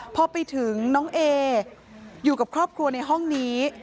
พอไปถึงน้องเออยู่กับครอบครัวในห้องนี้